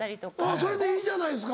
それでいいじゃないですか。